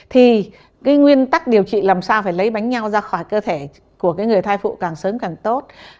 thì cái nguyên tắc điều trị làm sao phải lấy bánh nhau ra khỏi cơ thể của người thai phụ càng sớm càng tốt